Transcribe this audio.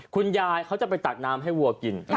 คุณยายเขาจะไปตักน้ำให้วัวกิน